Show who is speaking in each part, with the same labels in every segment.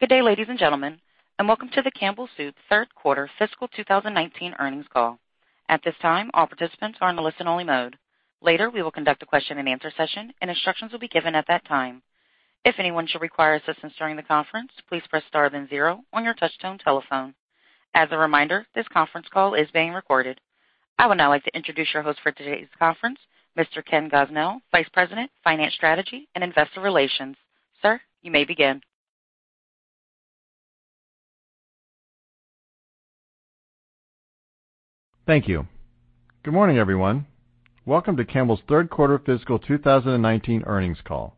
Speaker 1: Good day, ladies and gentlemen, and welcome to the Campbell Soup third quarter fiscal 2019 earnings call. At this time, all participants are in listen-only mode. Later, we will conduct a question-and-answer session, and instructions will be given at that time. If anyone should require assistance during the conference, please press star then zero on your touchtone telephone. As a reminder, this conference call is being recorded. I would now like to introduce your host for today's conference, Mr. Ken Gosnell, Vice President, Finance Strategy, and Investor Relations. Sir, you may begin.
Speaker 2: Thank you. Good morning, everyone. Welcome to Campbell's third quarter fiscal 2019 earnings call.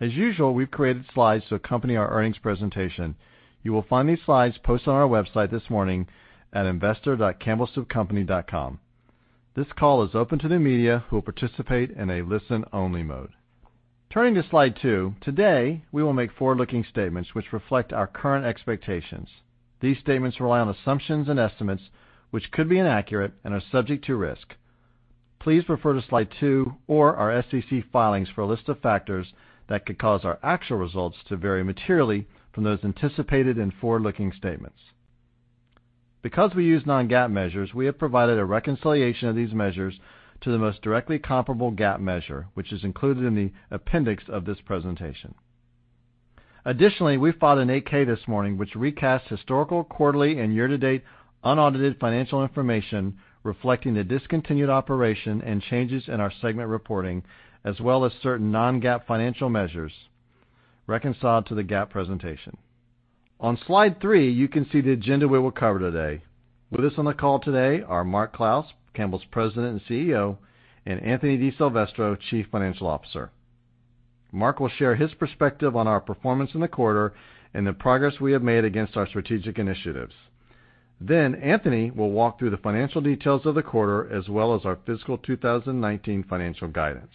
Speaker 2: As usual, we've created slides to accompany our earnings presentation. You will find these slides posted on our website this morning at investor.campbellsoupcompany.com. This call is open to the media who will participate in a listen-only mode. Turning to Slide two, today we will make forward-looking statements which reflect our current expectations. These statements rely on assumptions and estimates, which could be inaccurate and are subject to risk. Please refer to Slide two or our SEC filings for a list of factors that could cause our actual results to vary materially from those anticipated in forward-looking statements. Because we use non-GAAP measures, we have provided a reconciliation of these measures to the most directly comparable GAAP measure, which is included in the appendix of this presentation. We filed an 8-K this morning, which recasts historical, quarterly, and year-to-date unaudited financial information reflecting the discontinued operation and changes in our segment reporting, as well as certain non-GAAP financial measures reconciled to the GAAP presentation. On Slide three, you can see the agenda we will cover today. With us on the call today are Mark Clouse, Campbell's President and CEO, and Anthony DiSilvestro, Chief Financial Officer. Mark will share his perspective on our performance in the quarter and the progress we have made against our strategic initiatives. Anthony will walk through the financial details of the quarter as well as our fiscal 2019 financial guidance.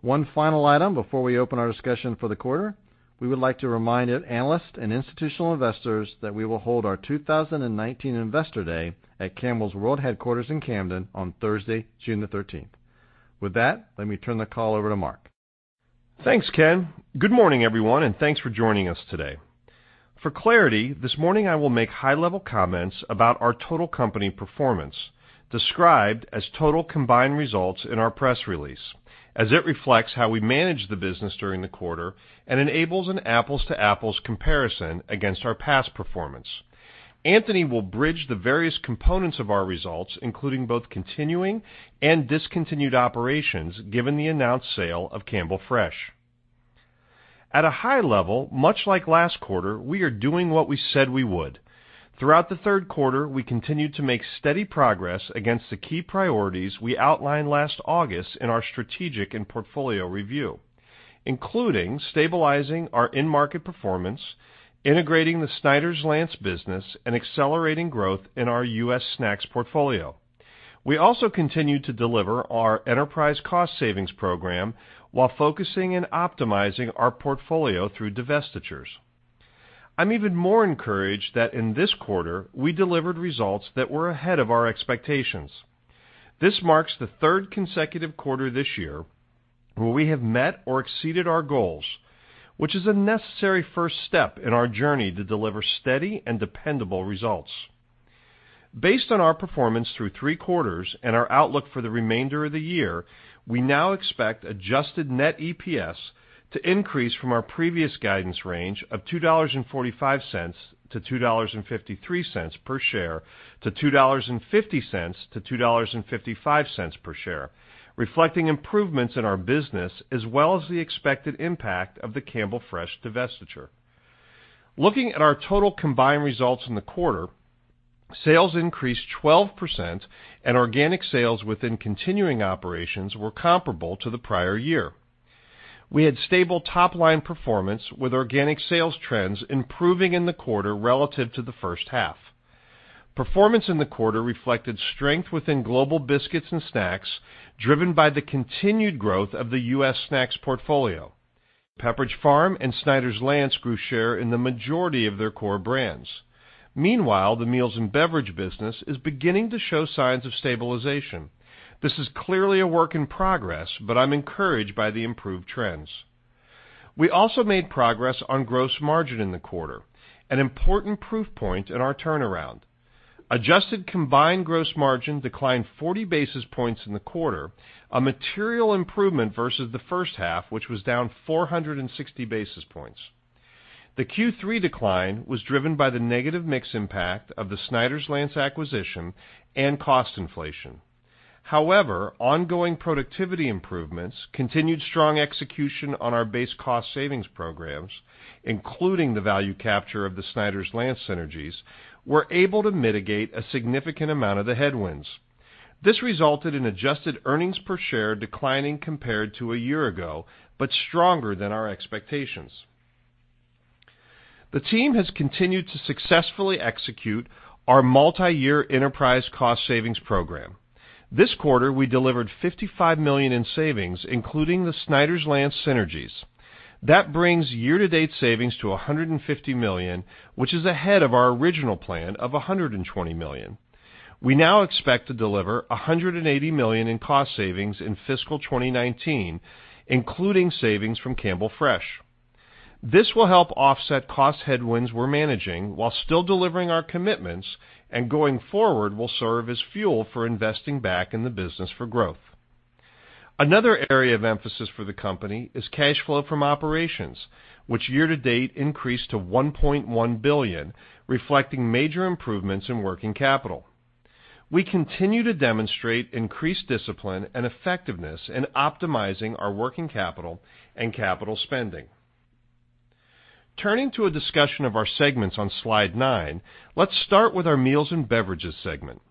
Speaker 2: One final item before we open our discussion for the quarter, we would like to remind analysts and institutional investors that we will hold our 2019 Investor Day at Campbell's World Headquarters in Camden on Thursday, June the 13th. Let me turn the call over to Mark.
Speaker 3: Thanks, Ken. Good morning, everyone, thanks for joining us today. For clarity, this morning I will make high-level comments about our total company performance, described as total combined results in our press release, as it reflects how we manage the business during the quarter and enables an apples-to-apples comparison against our past performance. Anthony will bridge the various components of our results, including both continuing and discontinued operations, given the announced sale of Campbell Fresh. At a high level, much like last quarter, we are doing what we said we would. Throughout the third quarter, we continued to make steady progress against the key priorities we outlined last August in our strategic and portfolio review, including stabilizing our in-market performance, integrating the Snyder's-Lance business, and accelerating growth in our U.S. snacks portfolio. We also continued to deliver our enterprise cost savings program while focusing and optimizing our portfolio through divestitures. I'm even more encouraged that in this quarter, we delivered results that were ahead of our expectations. This marks the third consecutive quarter this year where we have met or exceeded our goals, which is a necessary first step in our journey to deliver steady and dependable results. Based on our performance through three quarters and our outlook for the remainder of the year, we now expect adjusted net EPS to increase from our previous guidance range of $2.45-$2.53 per share to $2.50-$2.55 per share, reflecting improvements in our business as well as the expected impact of the Campbell Fresh divestiture. Looking at our total combined results in the quarter, sales increased 12%, organic sales within continuing operations were comparable to the prior year. We had stable top-line performance with organic sales trends improving in the quarter relative to the first half. Performance in the quarter reflected strength within Global Biscuits and Snacks, driven by the continued growth of the U.S. snacks portfolio. Pepperidge Farm and Snyder's-Lance grew share in the majority of their core brands. Meanwhile, the Meals & Beverages business is beginning to show signs of stabilization. This is clearly a work in progress, I'm encouraged by the improved trends. We also made progress on gross margin in the quarter, an important proof point in our turnaround. Adjusted combined gross margin declined 40 basis points in the quarter, a material improvement versus the first half, which was down 460 basis points. The Q3 decline was driven by the negative mix impact of the Snyder's-Lance acquisition and cost inflation. Ongoing productivity improvements, continued strong execution on our base cost savings programs, including the value capture of the Snyder's-Lance synergies, were able to mitigate a significant amount of the headwinds. This resulted in adjusted earnings per share declining compared to a year ago, stronger than our expectations. The team has continued to successfully execute our multi-year enterprise cost savings program. This quarter, we delivered $55 million in savings, including the Snyder's-Lance synergies. That brings year-to-date savings to $150 million, which is ahead of our original plan of $120 million. We now expect to deliver $180 million in cost savings in fiscal 2019, including savings from Campbell Fresh. This will help offset cost headwinds we're managing while still delivering our commitments, going forward will serve as fuel for investing back in the business for growth. Another area of emphasis for the company is cash flow from operations, which year to date increased to $1.1 billion, reflecting major improvements in working capital. We continue to demonstrate increased discipline and effectiveness in optimizing our working capital and capital spending. Turning to a discussion of our segments on slide nine, let's start with our Meals & Beverages segment.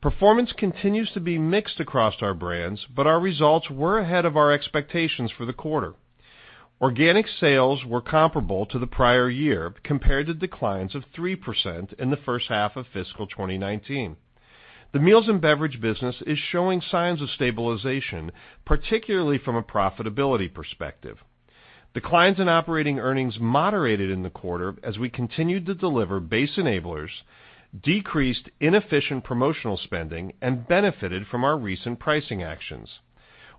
Speaker 3: Performance continues to be mixed across our brands, but our results were ahead of our expectations for the quarter. Organic sales were comparable to the prior year compared to declines of 3% in the first half of fiscal 2019. The Meals & Beverages business is showing signs of stabilization, particularly from a profitability perspective. Declines in operating earnings moderated in the quarter as we continued to deliver base enablers, decreased inefficient promotional spending, and benefited from our recent pricing actions.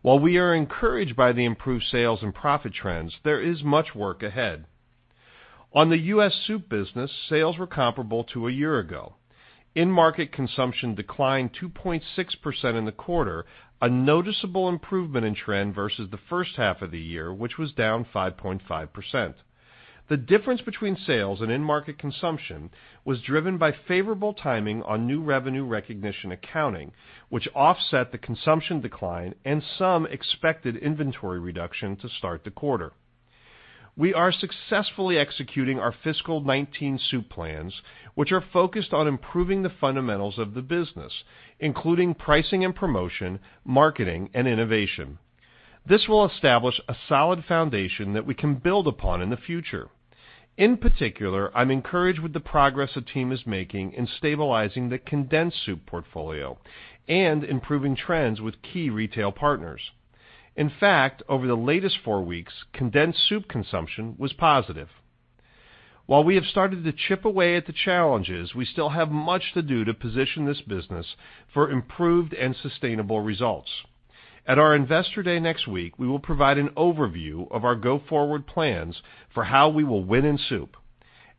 Speaker 3: While we are encouraged by the improved sales and profit trends, there is much work ahead. On the U.S. soup business, sales were comparable to a year ago. In-market consumption declined 2.6% in the quarter, a noticeable improvement in trend versus the first half of the year, which was down 5.5%. The difference between sales and in-market consumption was driven by favorable timing on new revenue recognition accounting, which offset the consumption decline and some expected inventory reduction to start the quarter. We are successfully executing our fiscal 2019 soup plans, which are focused on improving the fundamentals of the business, including pricing and promotion, marketing, and innovation. This will establish a solid foundation that we can build upon in the future. In particular, I'm encouraged with the progress the team is making in stabilizing the condensed soup portfolio and improving trends with key retail partners. In fact, over the latest four weeks, condensed soup consumption was positive. While we have started to chip away at the challenges, we still have much to do to position this business for improved and sustainable results. At our investor day next week, we will provide an overview of our go-forward plans for how we will win in soup.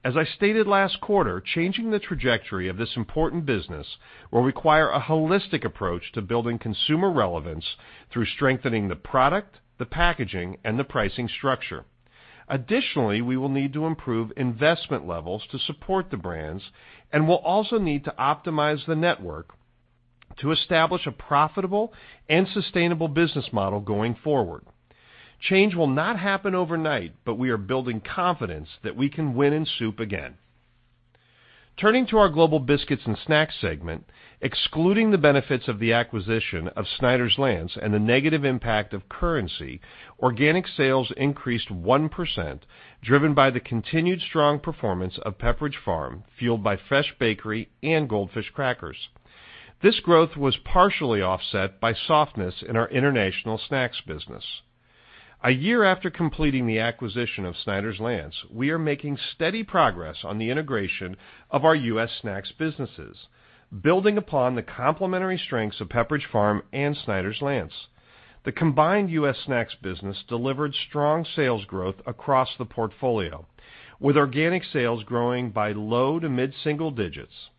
Speaker 3: As I stated last quarter, changing the trajectory of this important business will require a holistic approach to building consumer relevance through strengthening the product, the packaging, and the pricing structure. Additionally, we will need to improve investment levels to support the brands and will also need to optimize the network to establish a profitable and sustainable business model going forward. Change will not happen overnight, but we are building confidence that we can win in soup again. Turning to our Global Biscuits and Snacks segment, excluding the benefits of the acquisition of Snyder's-Lance and the negative impact of currency, organic sales increased 1%, driven by the continued strong performance of Pepperidge Farm, fueled by fresh bakery and Goldfish crackers. This growth was partially offset by softness in our international snacks business. A year after completing the acquisition of Snyder's-Lance, we are making steady progress on the integration of our U.S. snacks businesses, building upon the complementary strengths of Pepperidge Farm and Snyder's-Lance. The combined U.S. snacks business delivered strong sales growth across the portfolio, with organic sales growing by low to mid-single digits.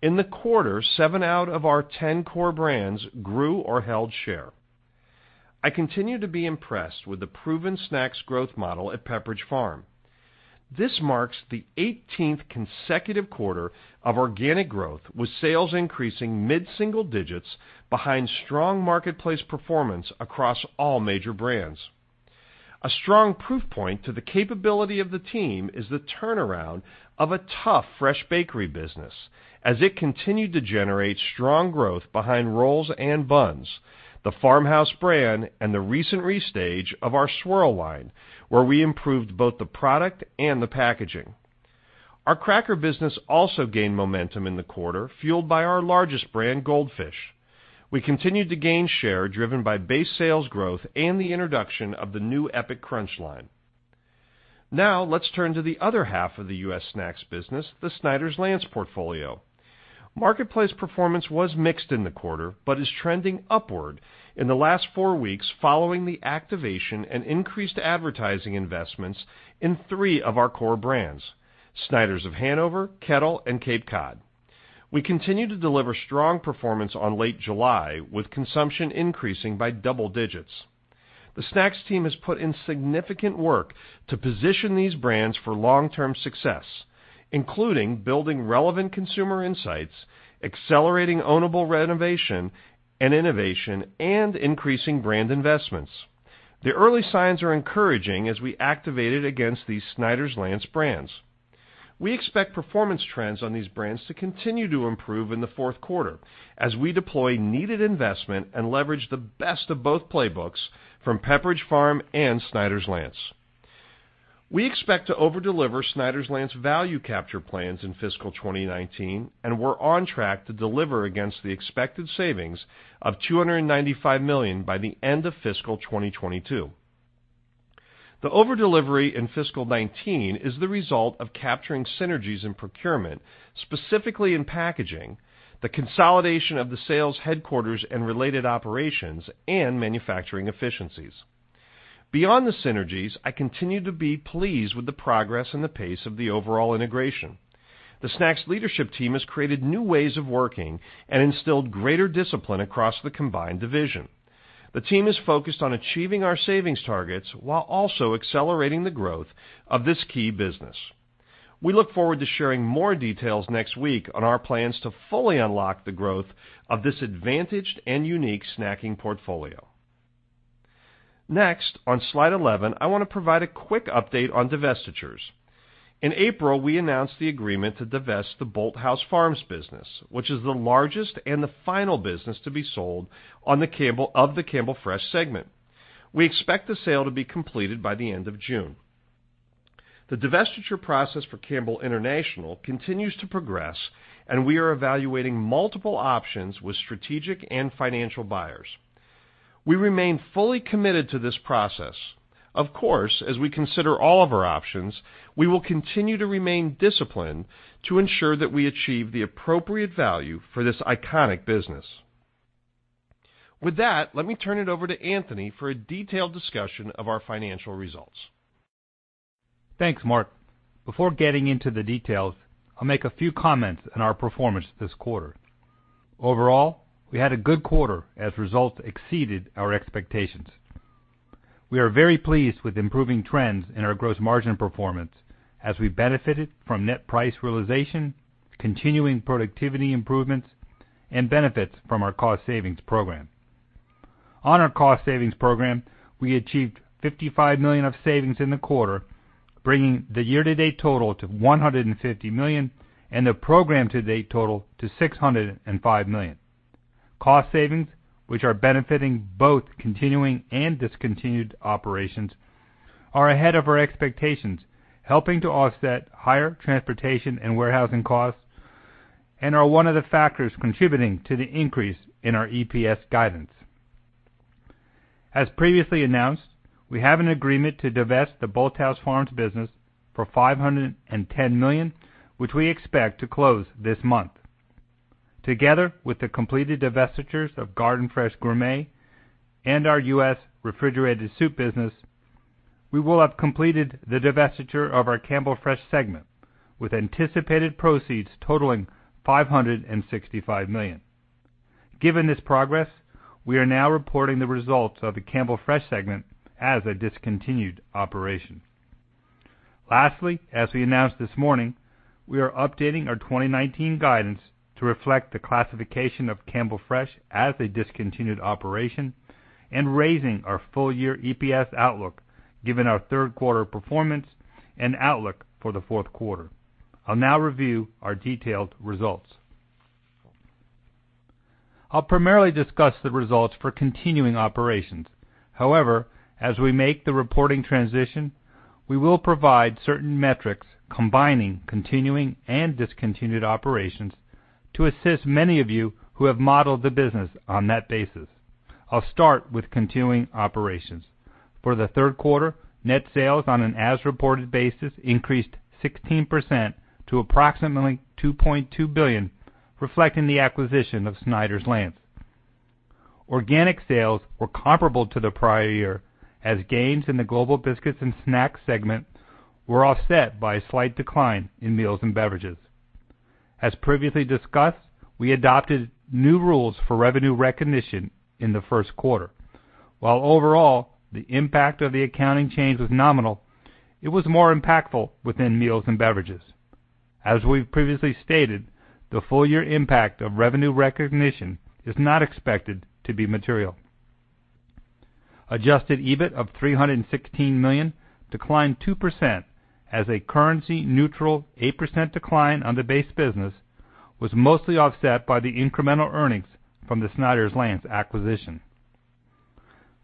Speaker 3: In the quarter, seven out of our 10 core brands grew or held share. I continue to be impressed with the proven snacks growth model at Pepperidge Farm. This marks the 18th consecutive quarter of organic growth, with sales increasing mid-single digits behind strong marketplace performance across all major brands. A strong proof point to the capability of the team is the turnaround of a tough fresh bakery business as it continued to generate strong growth behind rolls and buns, the Farmhouse brand, and the recent restage of our Swirl line, where we improved both the product and the packaging. Our cracker business also gained momentum in the quarter, fueled by our largest brand, Goldfish. We continued to gain share, driven by base sales growth and the introduction of the new Epic Crunch line. Let's turn to the other half of the U.S. snacks business, the Snyder's-Lance portfolio. Marketplace performance was mixed in the quarter but is trending upward in the last four weeks following the activation and increased advertising investments in three of our core brands, Snyder's of Hanover, Kettle and Cape Cod. We continue to deliver strong performance on Late July, with consumption increasing by double digits. The Snacks team has put in significant work to position these brands for long-term success, including building relevant consumer insights, accelerating ownable renovation and innovation, and increasing brand investments. The early signs are encouraging as we activated against these Snyder's-Lance brands. We expect performance trends on these brands to continue to improve in the fourth quarter as we deploy needed investment and leverage the best of both playbooks from Pepperidge Farm and Snyder's-Lance. We expect to overdeliver Snyder's-Lance value capture plans in fiscal 2019, and we're on track to deliver against the expected savings of $295 million by the end of fiscal 2022. The overdelivery in fiscal 2019 is the result of capturing synergies in procurement, specifically in packaging, the consolidation of the sales headquarters and related operations, and manufacturing efficiencies. Beyond the synergies, I continue to be pleased with the progress and the pace of the overall integration. The Snacks leadership team has created new ways of working and instilled greater discipline across the combined division. The team is focused on achieving our savings targets while also accelerating the growth of this key business. We look forward to sharing more details next week on our plans to fully unlock the growth of this advantaged and unique snacking portfolio. On slide 11, I want to provide a quick update on divestitures. In April, we announced the agreement to divest the Bolthouse Farms business, which is the largest and the final business to be sold of the Campbell Fresh segment. We expect the sale to be completed by the end of June. The divestiture process for Campbell International continues to progress, and we are evaluating multiple options with strategic and financial buyers. We remain fully committed to this process. Of course, as we consider all of our options, we will continue to remain disciplined to ensure that we achieve the appropriate value for this iconic business. With that, let me turn it over to Anthony for a detailed discussion of our financial results.
Speaker 4: Thanks, Mark. Before getting into the details, I will make a few comments on our performance this quarter. Overall, we had a good quarter as results exceeded our expectations. We are very pleased with improving trends in our gross margin performance as we benefited from net price realization, continuing productivity improvements, and benefits from our cost savings program. On our cost savings program, we achieved $55 million of savings in the quarter, bringing the year-to-date total to $150 million and the program-to-date total to $605 million. Cost savings, which are benefiting both continuing and discontinued operations, are ahead of our expectations, helping to offset higher transportation and warehousing costs and are one of the factors contributing to the increase in our EPS guidance. As previously announced, we have an agreement to divest the Bolthouse Farms business for $510 million, which we expect to close this month. Together with the completed divestitures of Garden Fresh Gourmet and our U.S. refrigerated soup business, we will have completed the divestiture of our Campbell Fresh segment, with anticipated proceeds totaling $565 million. Given this progress, we are now reporting the results of the Campbell Fresh segment as a discontinued operation. Lastly, as we announced this morning, we are updating our 2019 guidance to reflect the classification of Campbell Fresh as a discontinued operation and raising our full-year EPS outlook given our third quarter performance and outlook for the fourth quarter. I will now review our detailed results. I will primarily discuss the results for continuing operations. However, as we make the reporting transition, we will provide certain metrics combining continuing and discontinued operations to assist many of you who have modeled the business on that basis. I will start with continuing operations. For the third quarter, net sales on an as-reported basis increased 16% to approximately $2.2 billion, reflecting the acquisition of Snyder's-Lance. Organic sales were comparable to the prior year as gains in the Global Biscuits and Snacks segment were offset by a slight decline in Meals & Beverages. As previously discussed, we adopted new rules for revenue recognition in the first quarter. While overall the impact of the accounting change was nominal, it was more impactful within Meals & Beverages. As we have previously stated, the full year impact of revenue recognition is not expected to be material. Adjusted EBIT of $316 million declined 2% as a currency neutral 8% decline on the base business was mostly offset by the incremental earnings from the Snyder's-Lance acquisition.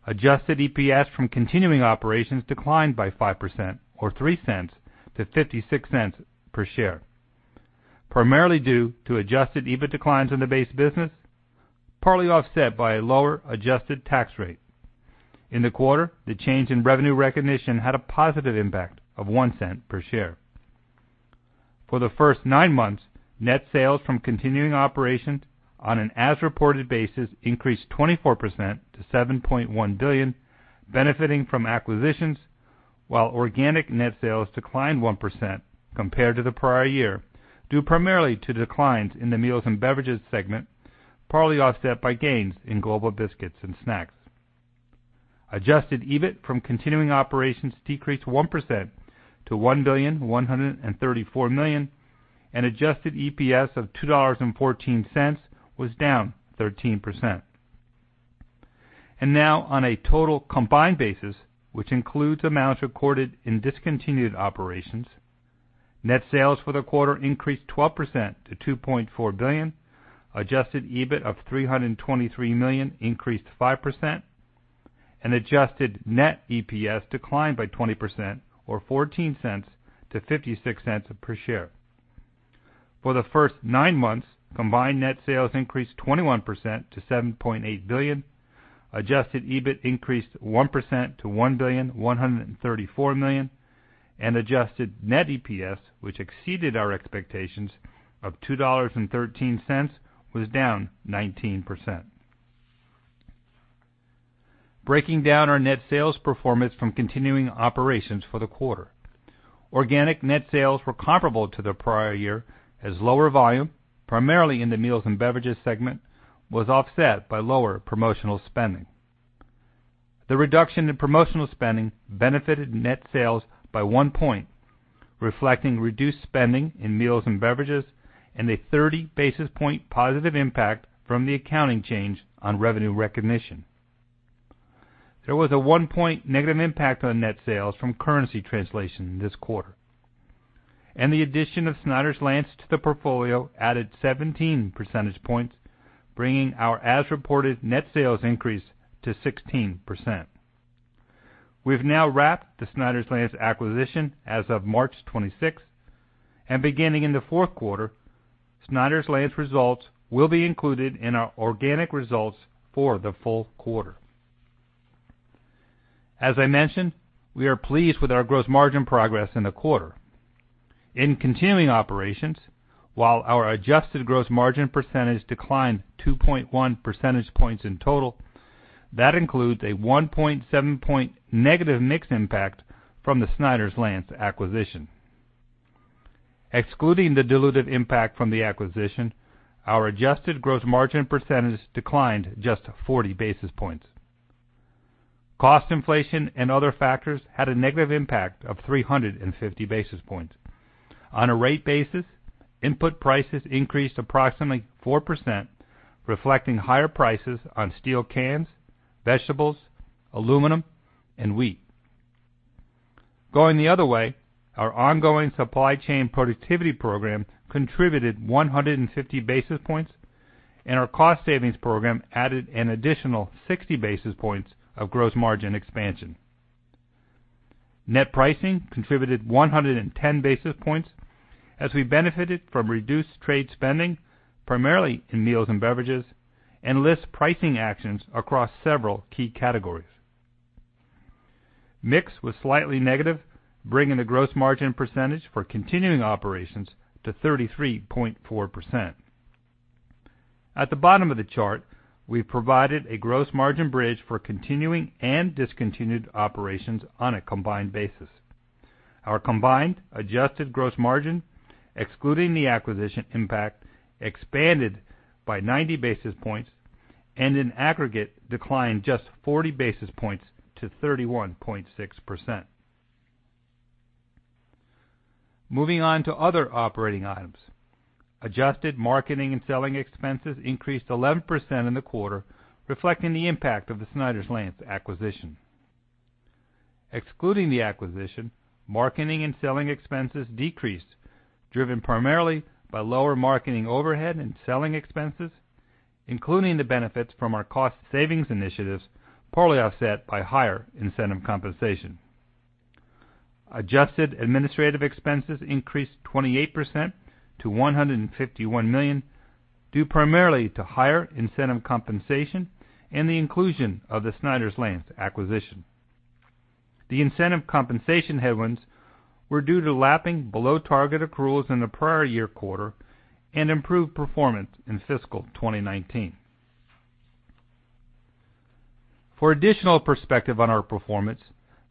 Speaker 4: Adjusted EPS from continuing operations declined by 5%, or $0.03, to $0.56 per share, primarily due to adjusted EBIT declines in the base business, partly offset by a lower adjusted tax rate. In the quarter, the change in revenue recognition had a positive impact of $0.01 per share. For the first nine months, net sales from continuing operations on an as-reported basis increased 24% to $7.1 billion, benefiting from acquisitions, while organic net sales declined 1% compared to the prior year, due primarily to declines in the Meals & Beverages segment, partly offset by gains in Global Biscuits and Snacks. Adjusted EBIT from continuing operations decreased 1% to $1 billion, $134 million, and adjusted EPS of $2.14 was down 13%. Now on a total combined basis, which includes amounts recorded in discontinued operations, net sales for the quarter increased 12% to $2.4 billion, adjusted EBIT of $323 million increased 5%, and adjusted net EPS declined by 20%, or $0.14 to $0.56 per share. For the first nine months, combined net sales increased 21% to $7.8 billion. Adjusted EBIT increased 1% to $1 billion, $134 million. Adjusted net EPS, which exceeded our expectations of $2.13, was down 19%. Breaking down our net sales performance from continuing operations for the quarter. Organic net sales were comparable to the prior year, as lower volume, primarily in the Meals and Beverages segment, was offset by lower promotional spending. The reduction in promotional spending benefited net sales by 1 point, reflecting reduced spending in Meals and Beverages and a 30 basis point positive impact from the accounting change on revenue recognition. There was a 1-point negative impact on net sales from currency translation this quarter. The addition of Snyder's-Lance to the portfolio added 17 percentage points, bringing our as-reported net sales increase to 16%. We've now wrapped the Snyder's-Lance acquisition as of March 26th, and beginning in the fourth quarter, Snyder's-Lance results will be included in our organic results for the full quarter. As I mentioned, we are pleased with our gross margin progress in the quarter. In continuing operations, while our adjusted gross margin percentage declined 2.1 percentage points in total, that includes a 1.7-point negative mix impact from the Snyder's-Lance acquisition. Excluding the dilutive impact from the acquisition, our adjusted gross margin percentage declined just 40 basis points. Cost inflation and other factors had a negative impact of 350 basis points. On a rate basis, input prices increased approximately 4%, reflecting higher prices on steel cans, vegetables, aluminum, and wheat. Going the other way, our ongoing supply chain productivity program contributed 150 basis points. Our cost savings program added an additional 60 basis points of gross margin expansion. Net pricing contributed 110 basis points, as we benefited from reduced trade spending, primarily in Meals and Beverages, and list pricing actions across several key categories. Mix was slightly negative, bringing the gross margin percentage for continuing operations to 33.4%. At the bottom of the chart, we provided a gross margin bridge for continuing and discontinued operations on a combined basis. Our combined adjusted gross margin, excluding the acquisition impact, expanded by 90 basis points. In aggregate, declined just 40 basis points to 31.6%. Moving on to other operating items. Adjusted marketing and selling expenses increased 11% in the quarter, reflecting the impact of the Snyder's-Lance acquisition. Excluding the acquisition, marketing and selling expenses decreased, driven primarily by lower marketing overhead and selling expenses, including the benefits from our cost savings initiatives, partially offset by higher incentive compensation. Adjusted administrative expenses increased 28% to $151 million due primarily to higher incentive compensation and the inclusion of the Snyder's-Lance acquisition. The incentive compensation headwinds were due to lapping below target accruals in the prior year quarter and improved performance in fiscal 2019. For additional perspective on our performance,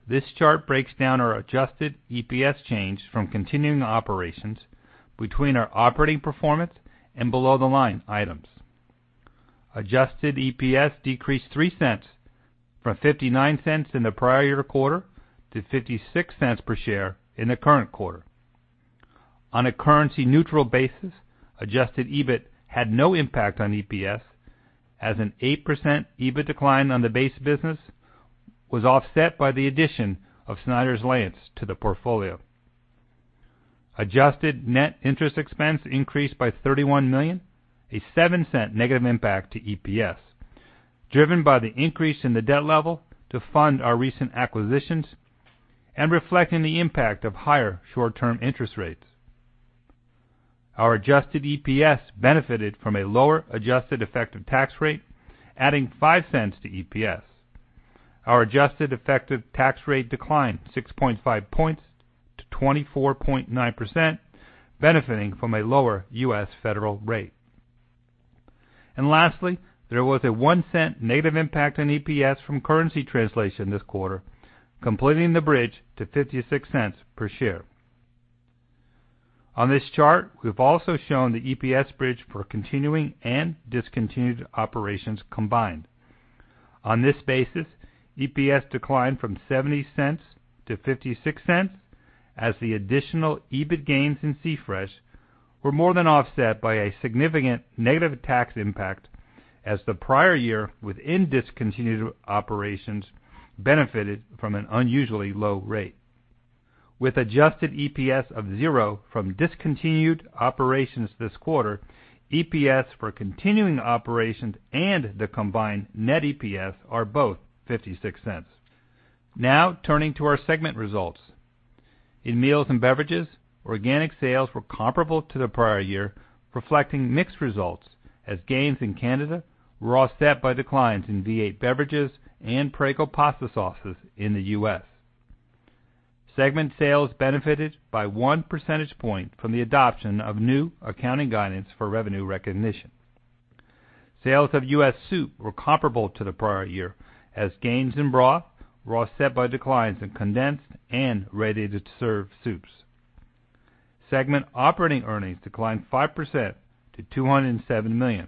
Speaker 4: this chart breaks down our adjusted EPS change from continuing operations between our operating performance and below-the-line items. Adjusted EPS decreased $0.03 from $0.59 in the prior year quarter to $0.56 per share in the current quarter. On a currency-neutral basis, adjusted EBIT had no impact on EPS, as an 8% EBIT decline on the base business was offset by the addition of Snyder's-Lance to the portfolio. Adjusted net interest expense increased by $31 million, a $0.07 negative impact to EPS, driven by the increase in the debt level to fund our recent acquisitions and reflecting the impact of higher short-term interest rates. Our adjusted EPS benefited from a lower adjusted effective tax rate, adding $0.05 to EPS. Our adjusted effective tax rate declined 6.5 points to 24.9%, benefiting from a lower U.S. federal rate. Lastly, there was a $0.01 negative impact on EPS from currency translation this quarter, completing the bridge to $0.56 per share. On this chart, we've also shown the EPS bridge for continuing and discontinued operations combined. On this basis, EPS declined from $0.70 to $0.56 as the additional EBIT gains in C-Fresh were more than offset by a significant negative tax impact as the prior year within discontinued operations benefited from an unusually low rate. With adjusted EPS of zero from discontinued operations this quarter, EPS for continuing operations and the combined net EPS are both $0.56. Turning to our segment results. In Meals & Beverages, organic sales were comparable to the prior year, reflecting mixed results as gains in Canada were offset by declines in V8 beverages and Prego pasta sauces in the U.S. Segment sales benefited by one percentage point from the adoption of new accounting guidance for revenue recognition. Sales of U.S. soup were comparable to the prior year as gains in broth were offset by declines in condensed and ready-to-serve soups. Segment operating earnings declined 5% to $207 million.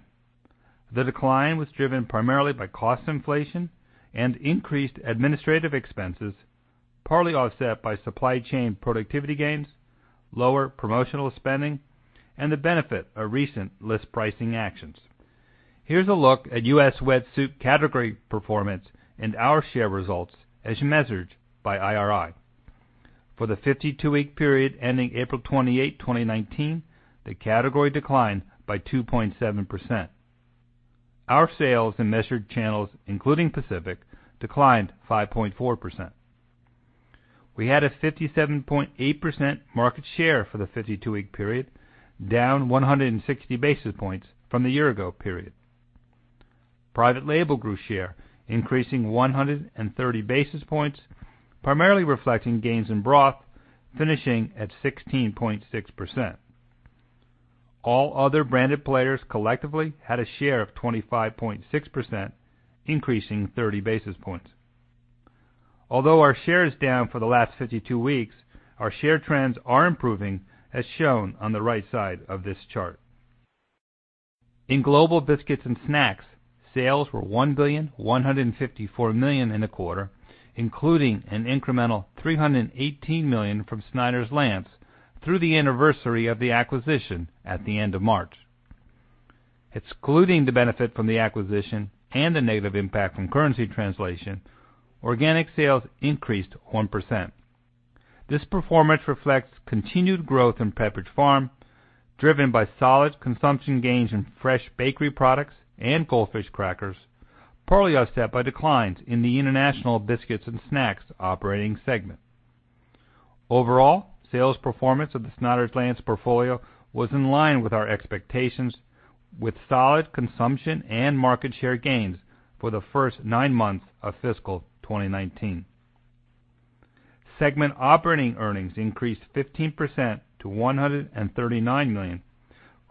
Speaker 4: The decline was driven primarily by cost inflation and increased administrative expenses, partly offset by supply chain productivity gains, lower promotional spending, and the benefit of recent list pricing actions. Here's a look at U.S. wet soup category performance and our share results as measured by IRI. For the 52-week period ending April 28, 2019, the category declined by 2.7%. Our sales in measured channels, including Pacific, declined 5.4%. We had a 57.8% market share for the 52-week period, down 160 basis points from the year ago period. Private label grew share, increasing 130 basis points, primarily reflecting gains in broth, finishing at 16.6%. All other branded players collectively had a share of 25.6%, increasing 30 basis points. Although our share is down for the last 52 weeks, our share trends are improving as shown on the right side of this chart. In Global Biscuits and Snacks, sales were $1,154 million in the quarter, including an incremental $318 million from Snyder's-Lance through the anniversary of the acquisition at the end of March. Excluding the benefit from the acquisition and the negative impact from currency translation, organic sales increased 1%. This performance reflects continued growth in Pepperidge Farm, driven by solid consumption gains in fresh bakery products and Goldfish crackers, partly offset by declines in the international biscuits and snacks operating segment. Overall, sales performance of the Snyder's-Lance portfolio was in line with our expectations, with solid consumption and market share gains for the first nine months of fiscal 2019. Segment operating earnings increased 15% to $139 million,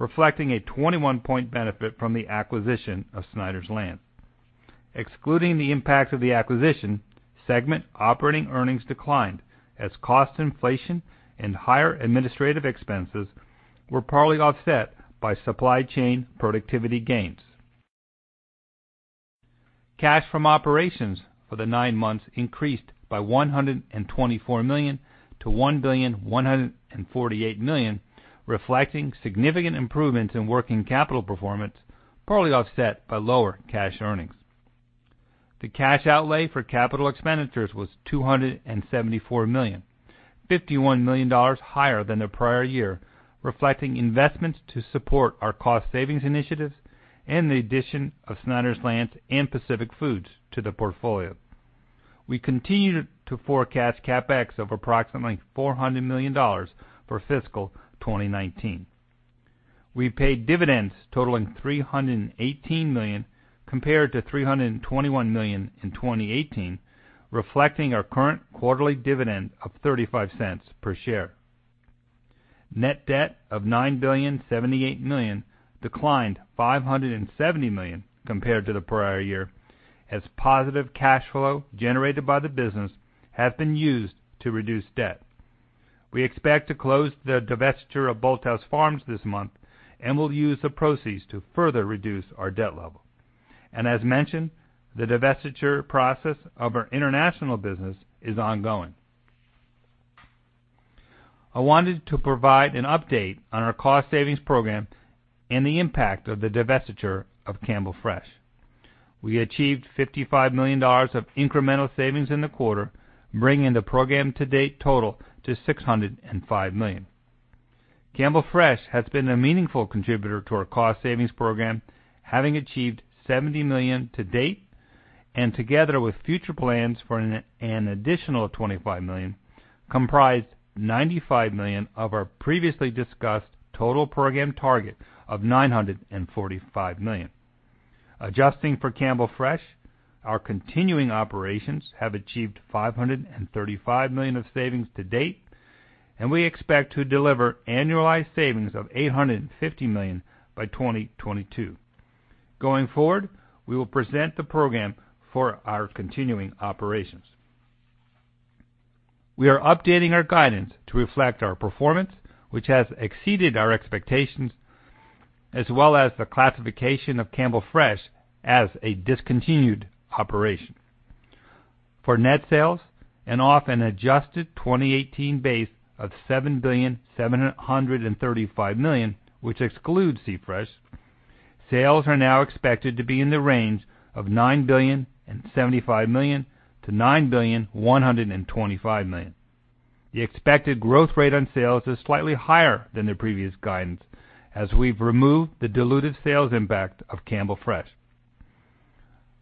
Speaker 4: reflecting a 21-point benefit from the acquisition of Snyder's-Lance. Excluding the impact of the acquisition, segment operating earnings declined as cost inflation and higher administrative expenses were partly offset by supply chain productivity gains. Cash from operations for the nine months increased by $124 million to $1,148 million, reflecting significant improvements in working capital performance, partly offset by lower cash earnings. The cash outlay for capital expenditures was $274 million, $51 million higher than the prior year, reflecting investments to support our cost savings initiatives and the addition of Snyder's-Lance and Pacific Foods to the portfolio. We continue to forecast CapEx of approximately $400 million for fiscal 2019. We paid dividends totaling $318 million compared to $321 million in 2018, reflecting our current quarterly dividend of $0.35 per share. Net debt of $9,078 million declined $570 million compared to the prior year as positive cash flow generated by the business has been used to reduce debt. We expect to close the divestiture of Bolthouse Farms this month and will use the proceeds to further reduce our debt level. As mentioned, the divestiture process of our international business is ongoing. I wanted to provide an update on our cost savings program and the impact of the divestiture of Campbell Fresh. We achieved $55 million of incremental savings in the quarter, bringing the program to date total to $605 million. Campbell Fresh has been a meaningful contributor to our cost savings program, having achieved $70 million to date, and together with future plans for an additional $25 million, comprise $95 million of our previously discussed total program target of $945 million. Adjusting for Campbell Fresh, our continuing operations have achieved $535 million of savings to date, and we expect to deliver annualized savings of $850 million by 2022. Going forward, we will present the program for our continuing operations. We are updating our guidance to reflect our performance, which has exceeded our expectations, as well as the classification of Campbell Fresh as a discontinued operation. For net sales off an adjusted 2018 base of $7,735 million, which excludes C Fresh, sales are now expected to be in the range of $9,075 million-$9,125 million. The expected growth rate on sales is slightly higher than the previous guidance as we've removed the dilutive sales impact of Campbell Fresh.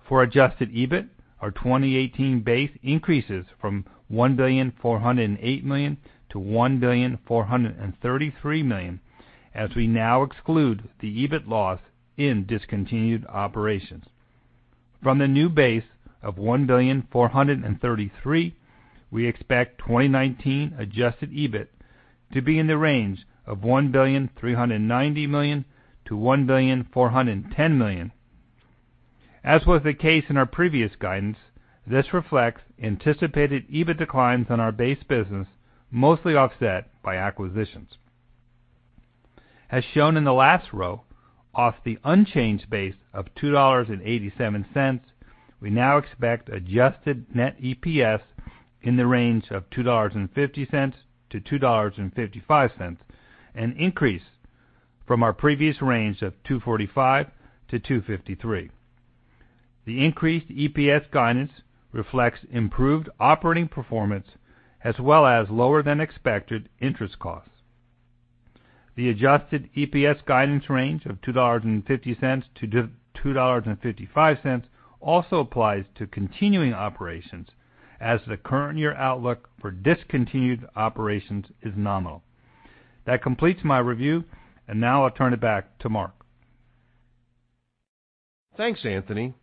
Speaker 4: For adjusted EBIT, our 2018 base increases from $1,408,000,000 to $1,433,000,000 as we now exclude the EBIT loss in discontinued operations. From the new base of $1.433 billion, we expect 2019 adjusted EBIT to be in the range of $1.390 billion-$1.410 billion. As was the case in our previous guidance, this reflects anticipated EBIT declines on our base business, mostly offset by acquisitions. As shown in the last row, off the unchanged base of $2.87, we now expect adjusted net EPS in the range of $2.50-$2.55, an increase from our previous range of $2.45-$2.53. The increased EPS guidance reflects improved operating performance as well as lower than expected interest costs. The adjusted EPS guidance range of $2.50-$2.55 also applies to continuing operations as the current year outlook for discontinued operations is nominal. That completes my review, and now I'll turn it back to Mark.
Speaker 3: Thanks, Anthony.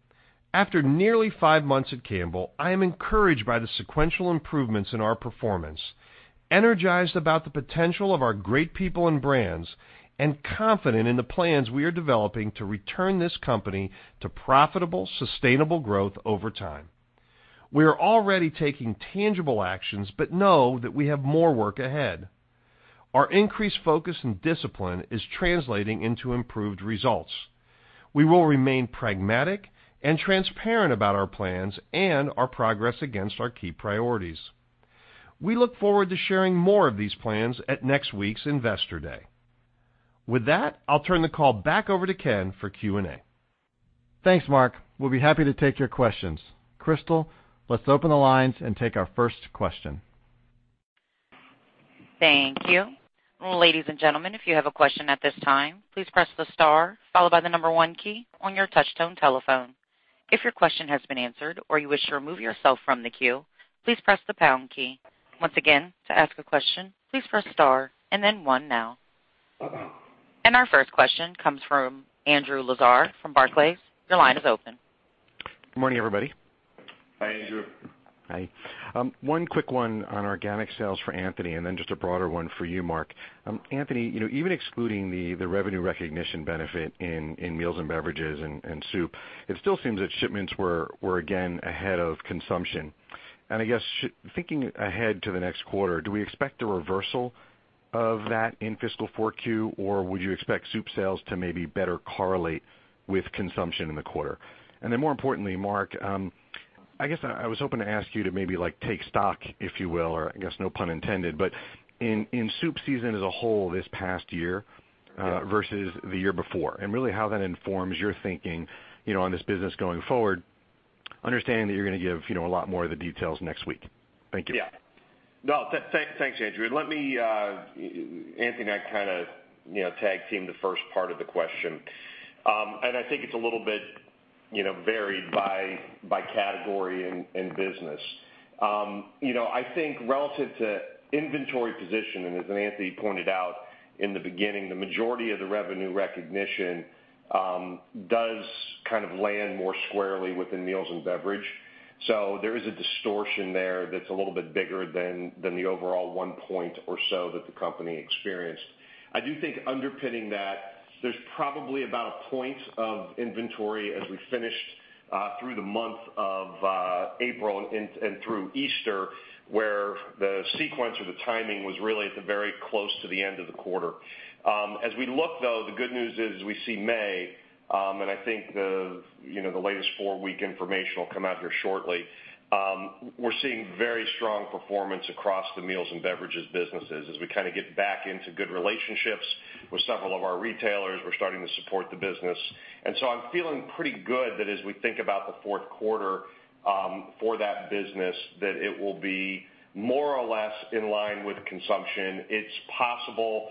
Speaker 3: After nearly five months at Campbell, I am encouraged by the sequential improvements in our performance, energized about the potential of our great people and brands, and confident in the plans we are developing to return this company to profitable, sustainable growth over time. We are already taking tangible actions but know that we have more work ahead. Our increased focus and discipline is translating into improved results. We will remain pragmatic and transparent about our plans and our progress against our key priorities. We look forward to sharing more of these plans at next week's Investor Day. With that, I'll turn the call back over to Ken for Q&A.
Speaker 2: Thanks, Mark. We'll be happy to take your questions. Crystal, let's open the lines and take our first question.
Speaker 1: Thank you. Ladies and gentlemen, if you have a question at this time, please press the star followed by the number 1 key on your touchtone telephone. If your question has been answered or you wish to remove yourself from the queue, please press the pound key. Once again, to ask a question, please press star and then one now. Our first question comes from Andrew Lazar from Barclays. Your line is open.
Speaker 5: Good morning, everybody.
Speaker 3: Hi, Andrew.
Speaker 5: Hi. One quick one on organic sales for Anthony, then just a broader one for you, Mark. Anthony, even excluding the revenue recognition benefit in Meals & Beverages and soup, it still seems that shipments were again ahead of consumption. I guess, thinking ahead to the next quarter, do we expect a reversal of that in fiscal four Q, or would you expect soup sales to maybe better correlate with consumption in the quarter? More importantly, Mark, I guess I was hoping to ask you to maybe take stock, if you will, or I guess no pun intended, but in soup season as a whole this past year versus the year before, and really how that informs your thinking on this business going forward, understanding that you're going to give a lot more of the details next week. Thank you.
Speaker 3: Yeah. Thanks, Andrew. Anthony and I kind of tag-teamed the first part of the question. I think it's a little bit varied by category and business. I think relative to inventory position, as Anthony pointed out in the beginning, the majority of the revenue recognition does kind of land more squarely within Meals & Beverages. There is a distortion there that's a little bit bigger than the overall one point or so that the company experienced. I do think underpinning that, there's probably about a point of inventory as we finished through the month of April and through Easter, where the sequence or the timing was really at the very close to the end of the quarter. As we look, though, the good news is we see May, and I think the latest four-week information will come out here shortly. We're seeing very strong performance across the Meals & Beverages businesses as we kind of get back into good relationships with several of our retailers who are starting to support the business. I'm feeling pretty good that as we think about the fourth quarter for that business, that it will be more or less in line with consumption. It's possible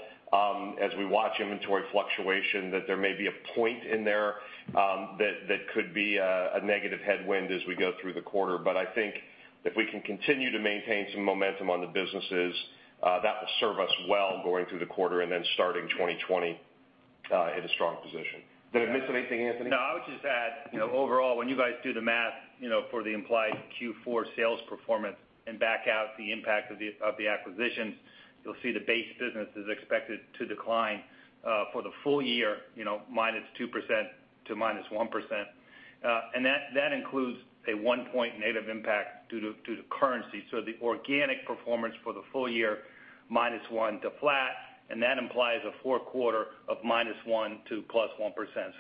Speaker 3: as we watch inventory fluctuation, that there may be a point in there that could be a negative headwind as we go through the quarter. I think if we can continue to maintain some momentum on the businesses, that will serve us well going through the quarter and then starting 2020 in a strong position. Did I miss anything, Anthony?
Speaker 4: I would just add, overall, when you guys do the math for the implied Q4 sales performance and back out the impact of the acquisitions, you'll see the base business is expected to decline for the full year, -2% to -1%. That includes a one-point negative impact due to currency. The organic performance for the full year, -1% to flat, and that implies a fourth quarter of -1% to +1%.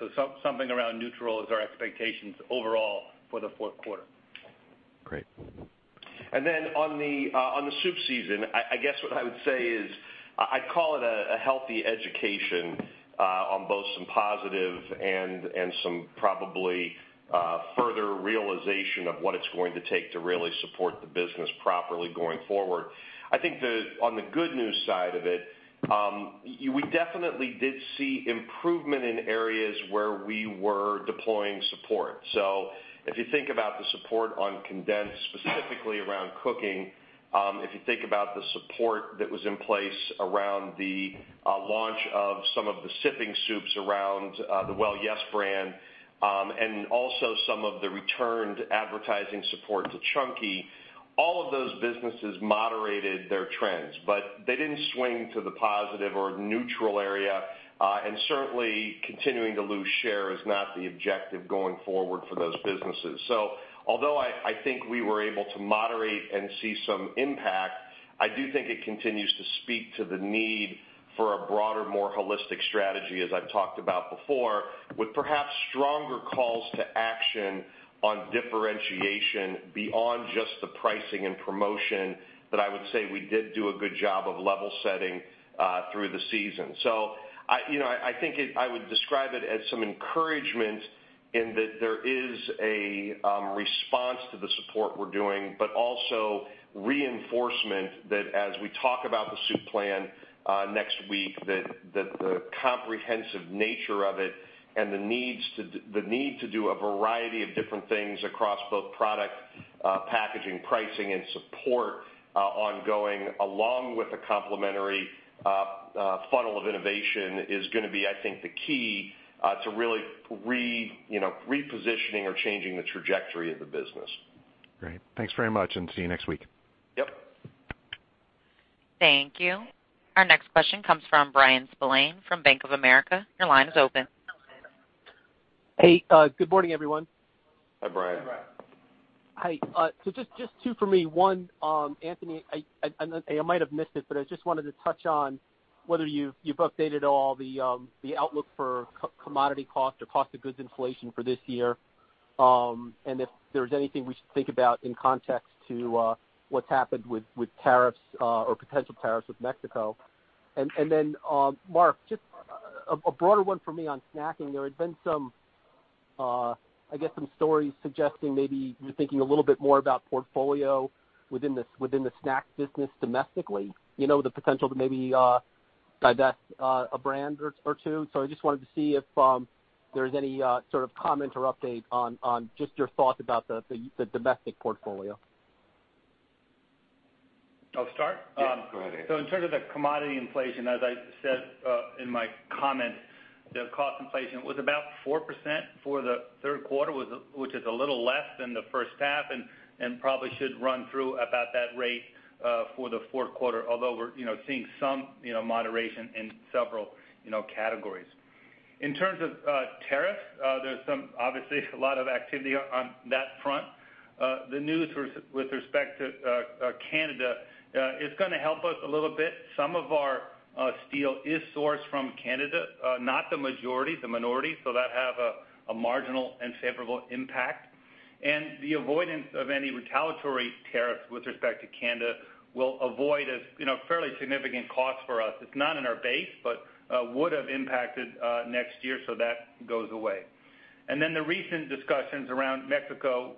Speaker 4: Something around neutral is our expectations overall for the fourth quarter.
Speaker 5: Great.
Speaker 3: On the soup season, I guess what I would say is, I'd call it a healthy education on both some positive and some probably further realization of what it's going to take to really support the business properly going forward. On the good news side of it, we definitely did see improvement in areas where we were deploying support. If you think about the support on condensed, specifically around cooking. If you think about the support that was in place around the launch of some of the sipping soups around the Well Yes! brand, and also some of the returned advertising support to Chunky, all of those businesses moderated trends, but they didn't swing to the positive or neutral area. Certainly continuing to lose share is not the objective going forward for those businesses. Although I think we were able to moderate and see some impact, I do think it continues to speak to the need for a broader, more holistic strategy, as I've talked about before, with perhaps stronger calls to action on differentiation beyond just the pricing and promotion that I would say we did do a good job of level setting through the season. I think I would describe it as some encouragement in that there is a response to the support we're doing, but also reinforcement that as we talk about the soup plan next week, that the comprehensive nature of it and the need to do a variety of different things across both product, packaging, pricing, and support ongoing, along with a complementary funnel of innovation is going to be, I think, the key to really repositioning or changing the trajectory of the business.
Speaker 5: Great. Thanks very much, and see you next week.
Speaker 3: Yep.
Speaker 1: Thank you. Our next question comes from Bryan Spillane from Bank of America. Your line is open.
Speaker 6: Hey, good morning, everyone.
Speaker 3: Hi, Bryan.
Speaker 4: Bryan.
Speaker 6: Hi. Just two from me. One, Anthony, I might have missed it, but I just wanted to touch on whether you've updated all the outlook for commodity cost or cost of goods inflation for this year, and if there's anything we should think about in context to what's happened with tariffs, or potential tariffs with Mexico. Then, Mark, just a broader one for me on snacking. There had been some, I guess, some stories suggesting maybe you're thinking a little bit more about portfolio within the snack business domestically, the potential to maybe divest a brand or two. So I just wanted to see if there's any sort of comment or update on just your thoughts about the domestic portfolio.
Speaker 4: I'll start.
Speaker 3: Yes, go ahead, Anthony.
Speaker 4: In terms of the commodity inflation, as I said in my comments, the cost inflation was about 4% for the third quarter, which is a little less than the first half and probably should run through about that rate for the fourth quarter, although we're seeing some moderation in several categories. In terms of tariffs, there's obviously a lot of activity on that front. The news with respect to Canada is going to help us a little bit. Some of our steel is sourced from Canada, not the majority, the minority, so that has a marginal and favorable impact. The avoidance of any retaliatory tariffs with respect to Canada will avoid a fairly significant cost for us. It's not in our base, but would've impacted next year, so that goes away. The recent discussions around Mexico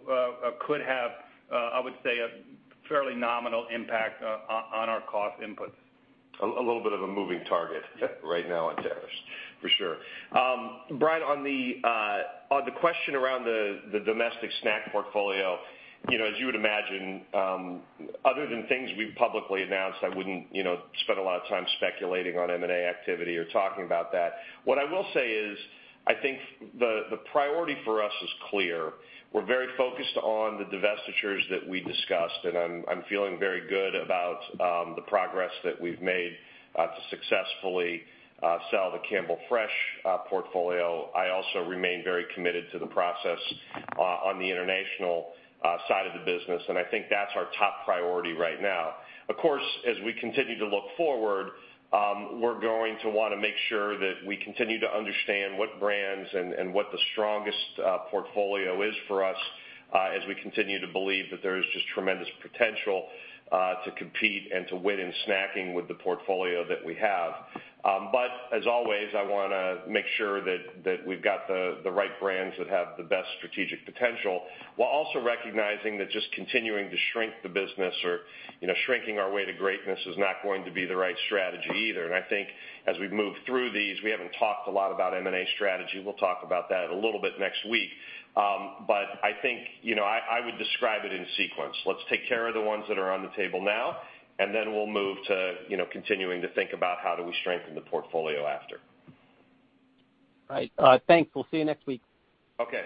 Speaker 4: could have, I would say, a fairly nominal impact on our cost inputs.
Speaker 3: A little bit of a moving target right now on tariffs, for sure. Bryan, on the question around the domestic snack portfolio, as you would imagine, other than things we've publicly announced, I wouldn't spend a lot of time speculating on M&A activity or talking about that. What I will say is, I think the priority for us is clear. We're very focused on the divestitures that we discussed, and I'm feeling very good about the progress that we've made to successfully sell the Campbell Fresh portfolio. I also remain very committed to the process on the international side of the business, and I think that's our top priority right now. Of course, as we continue to look forward, we're going to want to make sure that we continue to understand what brands and what the strongest portfolio is for us, as we continue to believe that there is just tremendous potential to compete and to win in snacking with the portfolio that we have. As always, I want to make sure that we've got the right brands that have the best strategic potential, while also recognizing that just continuing to shrink the business or shrinking our way to greatness is not going to be the right strategy either. I think as we've moved through these, we haven't talked a lot about M&A strategy. We'll talk about that a little bit next week. I think I would describe it in sequence. Let's take care of the ones that are on the table now, then we'll move to continuing to think about how do we strengthen the portfolio after.
Speaker 6: Right. Thanks. We'll see you next week.
Speaker 3: Okay.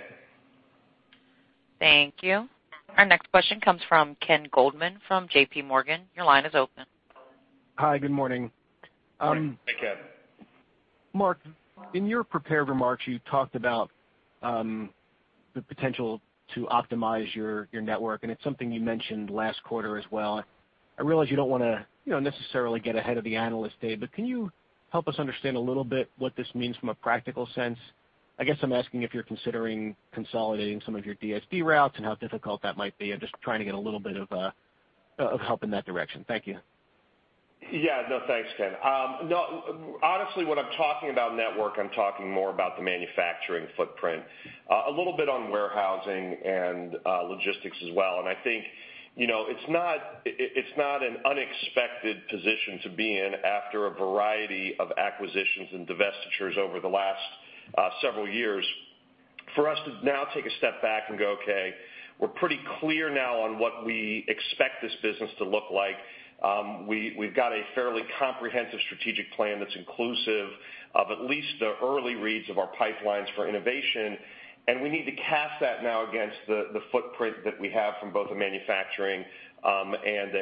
Speaker 1: Thank you. Our next question comes from Ken Goldman from JPMorgan. Your line is open.
Speaker 7: Hi, good morning.
Speaker 3: Hi, Ken.
Speaker 7: Mark, in your prepared remarks, you talked about the potential to optimize your network, and it's something you mentioned last quarter as well. I realize you don't want to necessarily get ahead of the analyst day, but can you help us understand a little bit what this means from a practical sense? I guess I'm asking if you're considering consolidating some of your DSD routes and how difficult that might be. I'm just trying to get a little bit of help in that direction. Thank you.
Speaker 3: Thanks, Ken. Honestly, when I'm talking about network, I'm talking more about the manufacturing footprint. A little bit on warehousing and logistics as well, I think it's not an unexpected position to be in after a variety of acquisitions and divestitures over the last several years. For us to now take a step back and go, "Okay, we're pretty clear now on what we expect this business to look like." We've got a fairly comprehensive strategic plan that's inclusive of at least the early reads of our pipelines for innovation, and we need to cast that now against the footprint that we have from both a manufacturing and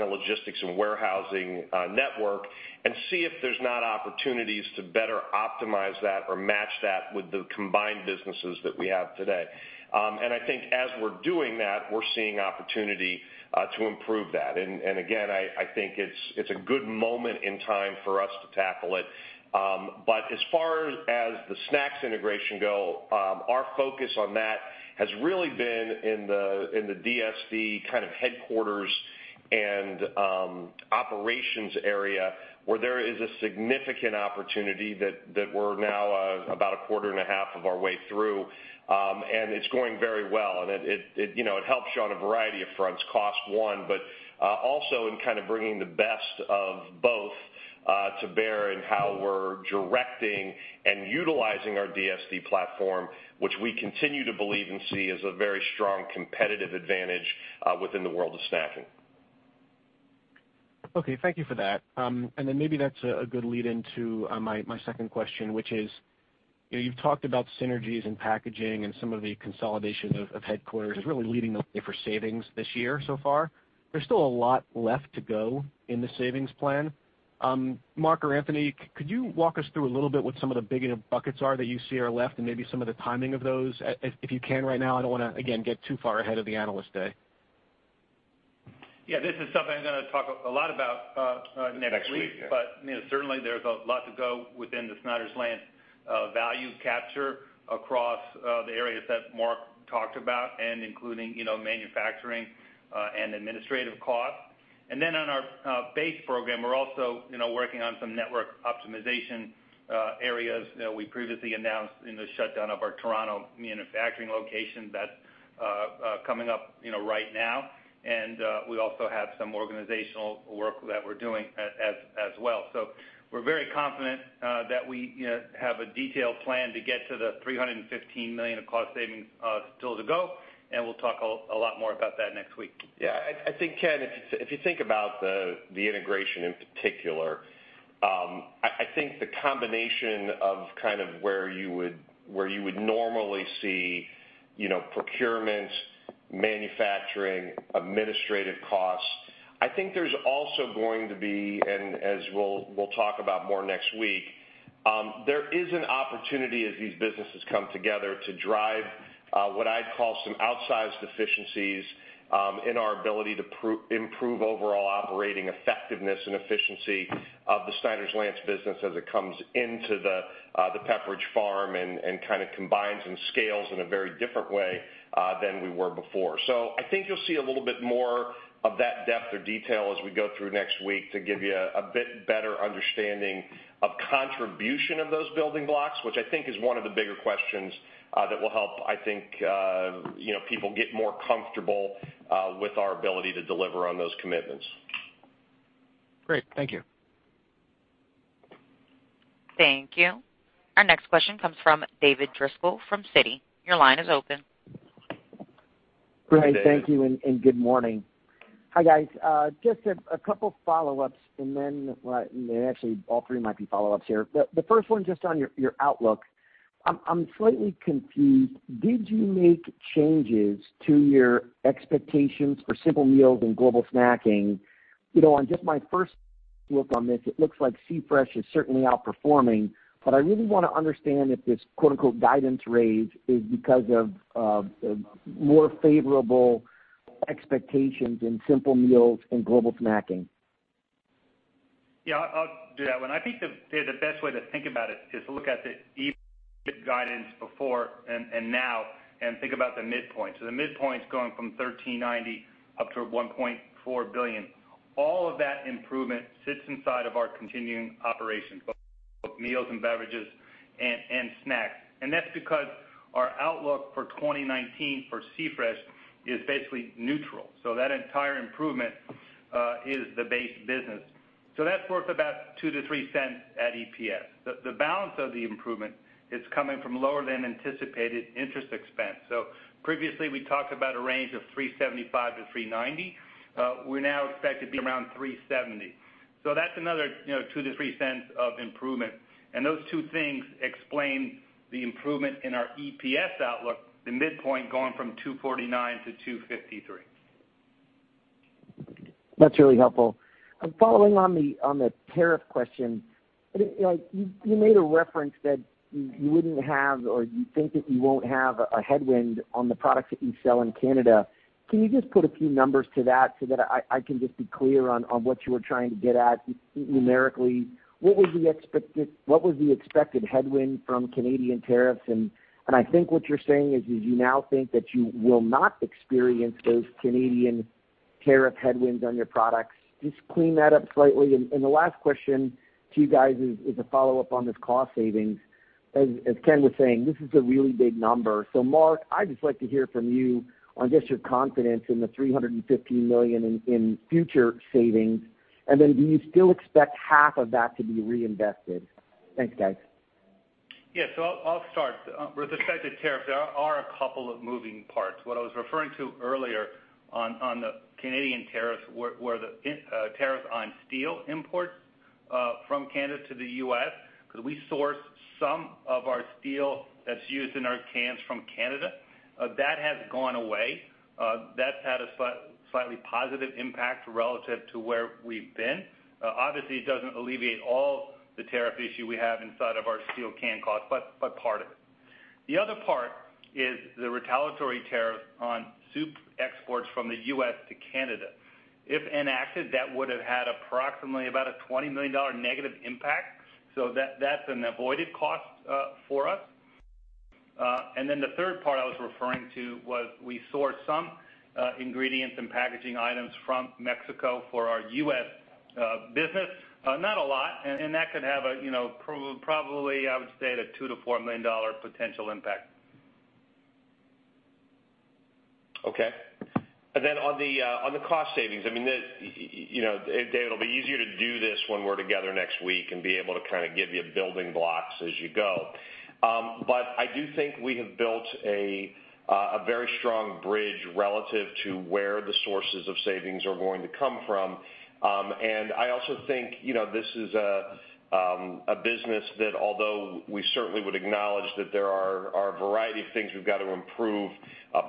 Speaker 3: a logistics and warehousing network and see if there's not opportunities to better optimize that or match that with the combined businesses that we have today. I think as we're doing that, we're seeing opportunity to improve that. Again, I think it's a good moment in time for us to tackle it. As far as the snacks integration go, our focus on that has really been in the DSD kind of headquarters and operations area where there is a significant opportunity that we're now about a quarter and a half of our way through. It's going very well. It helps you on a variety of fronts, cost one, but also in kind of bringing the best of both to bear in how we're directing and utilizing our DSD platform, which we continue to believe and see as a very strong competitive advantage within the world of snacking.
Speaker 7: Thank you for that. Maybe that's a good lead into my second question, which is, you've talked about synergies in packaging and some of the consolidation of headquarters as really leading the way for savings this year so far. There's still a lot left to go in the savings plan. Mark or Anthony, could you walk us through a little bit what some of the bigger buckets are that you see are left and maybe some of the timing of those, if you can right now? I don't want to, again, get too far ahead of the Analyst Day.
Speaker 4: This is something I'm going to talk a lot about next week.
Speaker 3: Next week, yeah.
Speaker 4: Certainly there's a lot to go within the Snyder's-Lance value capture across the areas that Mark talked about, including manufacturing and administrative costs. On our base program, we're also working on some network optimization areas that we previously announced in the shutdown of our Toronto manufacturing location that's coming up right now. We also have some organizational work that we're doing as well. We're very confident that we have a detailed plan to get to the $315 million of cost savings still to go, and we'll talk a lot more about that next week.
Speaker 3: Ken, if you think about the integration in particular, I think the combination of where you would normally see procurements, manufacturing, administrative costs, I think there's also going to be, as we'll talk about more next week, there is an opportunity as these businesses come together to drive what I'd call some outsized efficiencies in our ability to improve overall operating effectiveness and efficiency of the Snyder's-Lance business as it comes into the Pepperidge Farm and kind of combines and scales in a very different way than we were before. I think you'll see a little bit more of that depth of detail as we go through next week to give you a bit better understanding of contribution of those building blocks, which I think is one of the bigger questions that will help, I think, people get more comfortable with our ability to deliver on those commitments.
Speaker 7: Great. Thank you.
Speaker 1: Thank you. Our next question comes from David Driscoll from Citi. Your line is open.
Speaker 8: Great.
Speaker 3: Hey, David.
Speaker 8: Thank you. Good morning. Hi, guys. Just a couple follow-ups. Well, actually all three might be follow-ups here. The first one's just on your outlook. I'm slightly confused. Did you make changes to your expectations for Simple Meals and Global Snacking? On just my first look on this, it looks like C-Fresh is certainly outperforming. I really want to understand if this "guidance raise" is because of more favorable expectations in Simple Meals and Global Snacking.
Speaker 4: Yeah, I'll do that one. I think the best way to think about it is to look at the EPS guidance before and now and think about the midpoint. The midpoint's going from $1.39 billion up to $1.4 billion. All of that improvement sits inside of our continuing operations, both Meals & Beverages and Snacks. That's because our outlook for 2019 for C-Fresh is basically neutral. That entire improvement is the base business. That's worth about $0.02-$0.03 at EPS. The balance of the improvement is coming from lower than anticipated interest expense. Previously we talked about a range of $375 million-$390 million. We now expect to be around $370 million. That's another $0.02-$0.03 of improvement. Those two things explain the improvement in our EPS outlook, the midpoint going from $2.49 to $2.53.
Speaker 8: That's really helpful. Following on the tariff question, you made a reference that you wouldn't have or you think that you won't have a headwind on the products that you sell in Canada. Can you just put a few numbers to that so that I can just be clear on what you were trying to get at numerically? What was the expected headwind from Canadian tariffs? I think what you're saying is that you now think that you will not experience those Canadian tariff headwinds on your products. Just clean that up slightly. The last question to you guys is a follow-up on this cost savings. As Ken was saying, this is a really big number. Mark, I'd just like to hear from you on just your confidence in the $315 million in future savings. Then do you still expect half of that to be reinvested? Thanks, guys.
Speaker 4: Yes. I'll start. With respect to tariffs, there are a couple of moving parts. What I was referring to earlier on the Canadian tariffs were the tariffs on steel imports from Canada to the U.S., because we source some of our steel that's used in our cans from Canada. That has gone away. That's had a slightly positive impact relative to where we've been. Obviously, it doesn't alleviate all the tariff issue we have inside of our steel can cost, but part of it. The other part is the retaliatory tariffs on soup exports from the U.S. to Canada. If enacted, that would have had approximately about a $20 million negative impact, so that's an avoided cost for us. The third part I was referring to was we source some ingredients and packaging items from Mexico for our U.S. business. Not a lot, that could have a, probably, I would say, a $2 million-$4 million potential impact.
Speaker 3: Okay. On the cost savings, Dave, it'll be easier to do this when we're together next week and be able to kind of give you building blocks as you go. I do think we have built a very strong bridge relative to where the sources of savings are going to come from. I also think, this is a business that although we certainly would acknowledge that there are a variety of things we've got to improve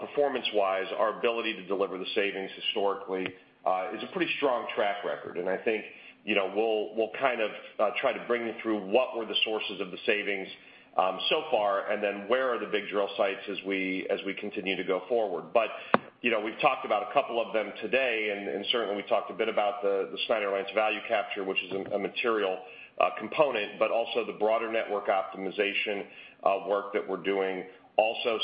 Speaker 3: performance-wise, our ability to deliver the savings historically is a pretty strong track record. I think we'll kind of try to bring you through what were the sources of the savings so far, then where are the big drill sites as we continue to go forward. We've talked about a couple of them today, certainly we've talked a bit about the Snyder's-Lance value capture, which is a material component, also the broader network optimization work that we're doing.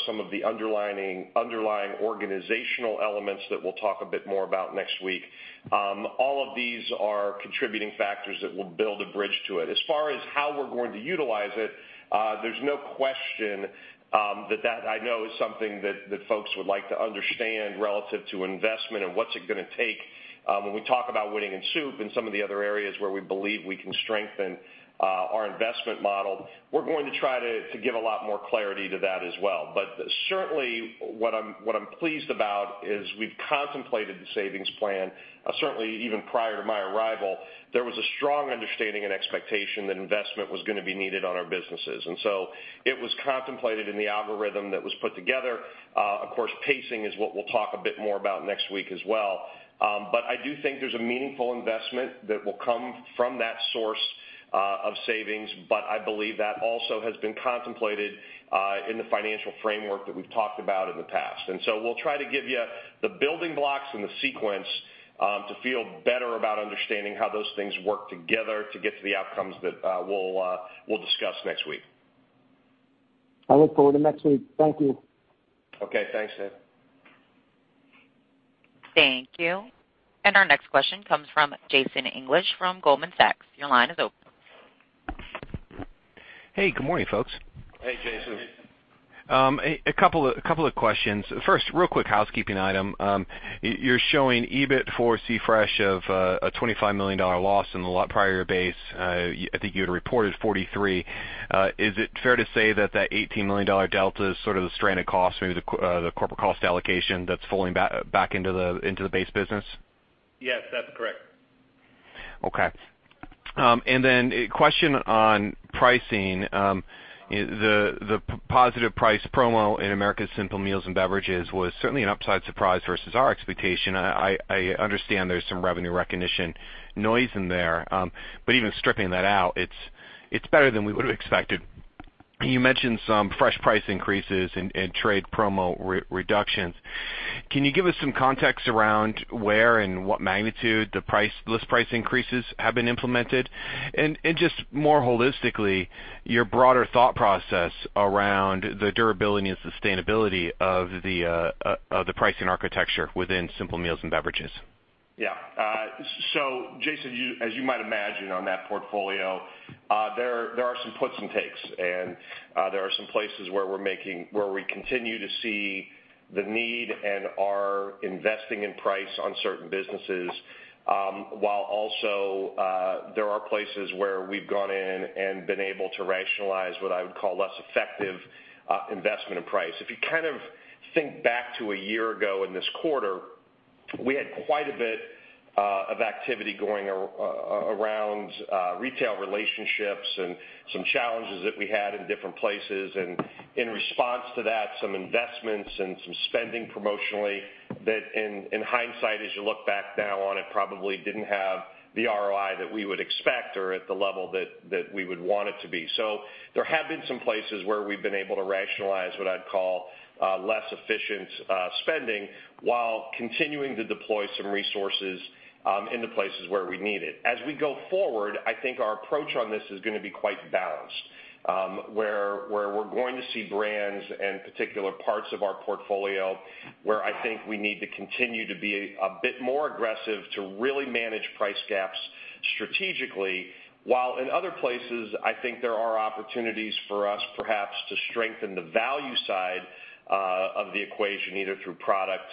Speaker 3: Some of the underlying organizational elements that we'll talk a bit more about next week. All of these are contributing factors that will build a bridge to it. As far as how we're going to utilize it, there's no question that that I know is something that folks would like to understand relative to investment and what's it going to take. When we talk about winning in soup and some of the other areas where we believe we can strengthen our investment model, we're going to try to give a lot more clarity to that as well. Certainly, what I'm pleased about is we've contemplated the savings plan. Certainly even prior to my arrival, there was a strong understanding and expectation that investment was going to be needed on our businesses. It was contemplated in the algorithm that was put together. Of course, pacing is what we'll talk a bit more about next week as well. I do think there's a meaningful investment that will come from that source of savings, but I believe that also has been contemplated in the financial framework that we've talked about in the past. We'll try to give you the building blocks and the sequence to feel better about understanding how those things work together to get to the outcomes that we'll discuss next week.
Speaker 8: I look forward to next week. Thank you.
Speaker 3: Okay. Thanks, Dave.
Speaker 1: Thank you. Our next question comes from Jason English from Goldman Sachs. Your line is open.
Speaker 9: Hey, good morning, folks.
Speaker 3: Hey, Jason.
Speaker 4: Hey.
Speaker 9: A couple of questions. First, real quick housekeeping item. You're showing EBIT for C-Fresh of a $25 million loss in the prior year base. I think you had reported $43. Is it fair to say that that $18 million delta is sort of the stranded cost, maybe the corporate cost allocation that's falling back into the base business?
Speaker 3: Yes, that's correct.
Speaker 9: Okay. A question on pricing. The positive price promo in Americas Simple Meals & Beverages was certainly an upside surprise versus our expectation. I understand there's some revenue recognition noise in there. Even stripping that out, it's better than we would've expected. You mentioned some fresh price increases and trade promo reductions. Can you give us some context around where and what magnitude the list price increases have been implemented? Just more holistically, your broader thought process around the durability and sustainability of the pricing architecture within Simple Meals & Beverages.
Speaker 3: Jason, as you might imagine on that portfolio, there are some puts and takes. There are some places where we continue to see the need and are investing in price on certain businesses, while also, there are places where we've gone in and been able to rationalize what I would call less effective investment in price. If you kind of think back to a year ago in this quarter, we had quite a bit of activity going around retail relationships and some challenges that we had in different places, and in response to that, some investments and some spending promotionally that in hindsight, as you look back now on it, probably didn't have the ROI that we would expect or at the level that we would want it to be. There have been some places where we've been able to rationalize what I'd call less efficient spending while continuing to deploy some resources into places where we need it. As we go forward, I think our approach on this is going to be quite balanced, where we're going to see brands and particular parts of our portfolio where I think we need to continue to be a bit more aggressive to really manage price gaps strategically, while in other places, I think there are opportunities for us perhaps to strengthen the value side of the equation, either through product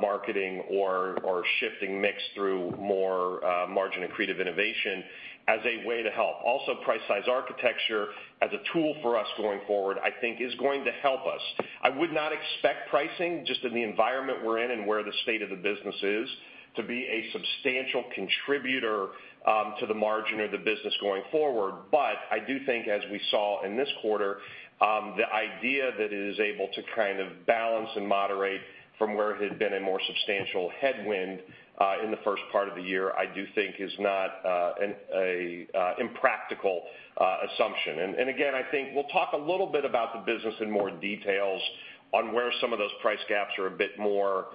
Speaker 3: marketing or shifting mix through more margin-accretive innovation as a way to help. Also, price size architecture as a tool for us going forward, I think is going to help us. I would not expect pricing, just in the environment we're in and where the state of the business is, to be a substantial contributor to the margin of the business going forward. I do think, as we saw in this quarter, the idea that it is able to kind of balance and moderate from where it had been a more substantial headwind in the first part of the year, I do think is not an impractical assumption. Again, I think we'll talk a little bit about the business in more details on where some of those price gaps are a bit more,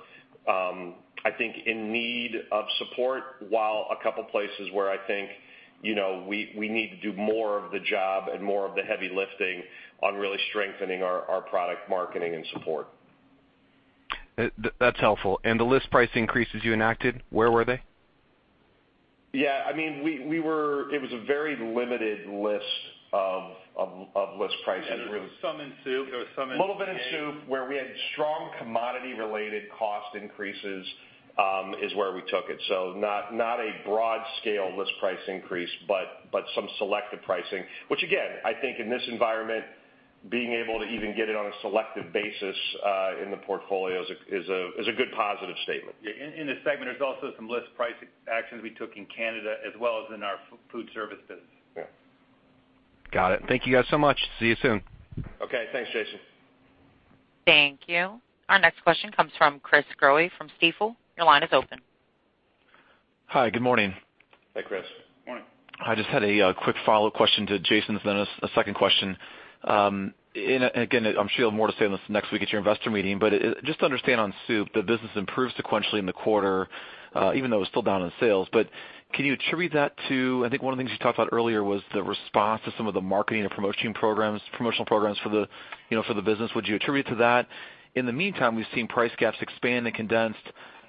Speaker 3: I think, in need of support, while a couple of places where I think we need to do more of the job and more of the heavy lifting on really strengthening our product marketing and support.
Speaker 9: That's helpful. The list price increases you enacted, where were they?
Speaker 3: Yeah. It was a very limited list of list prices, really.
Speaker 4: There was some in soup. There was some in-
Speaker 3: Little bit in soup, where we had strong commodity-related cost increases, is where we took it. Not a broad scale list price increase, but some selective pricing. Which again, I think in this environment, being able to even get it on a selective basis in the portfolio is a good positive statement.
Speaker 4: Yeah. In this segment, there's also some list price actions we took in Canada as well as in our food service business.
Speaker 3: Yeah.
Speaker 9: Got it. Thank you guys so much. See you soon.
Speaker 3: Okay. Thanks, Jason.
Speaker 1: Thank you. Our next question comes from Chris Growe from Stifel. Your line is open.
Speaker 10: Hi, good morning.
Speaker 3: Hi, Chris.
Speaker 4: Morning.
Speaker 10: I just had a quick follow-up question to Jason, then a second question. Again, I'm sure you'll have more to say on this next week at your investor meeting, but just to understand on soup, the business improved sequentially in the quarter, even though it was still down on sales. Can you attribute that to, I think one of the things you talked about earlier was the response to some of the marketing and promotional programs for the business. Would you attribute it to that? In the meantime, we've seen price gaps expand in condensed.